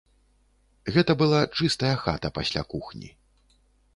Гэта была чыстая хата пасля кухні.